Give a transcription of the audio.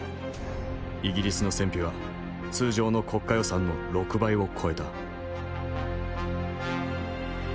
イギリスの戦費は通常の国家予算の６倍を超えた。